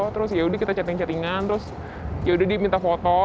terus yaudah kita chatting chattingan terus yaudah diminta foto